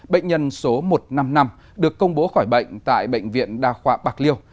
bệnh nhân số một trăm năm mươi năm được công bố khỏi bệnh tại bệnh viện đa khoa bạc liêu